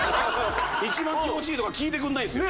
一番気持ちいいとか聞いてくれないんですよ。